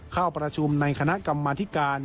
เข้าประชุมในคณะกรรมธิการ